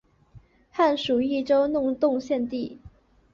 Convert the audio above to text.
汉属益州弄栋县地。